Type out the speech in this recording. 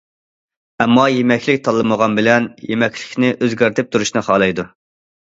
ئەمما يېمەكلىك تاللىمىغان بىلەن يېمەكلىكنى ئۆزگەرتىپ تۇرۇشنى خالايدۇ.